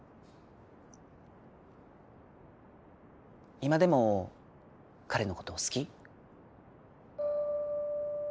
今でも彼のことを好き？